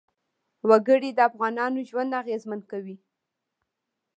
وګړي د افغانانو ژوند اغېزمن کوي.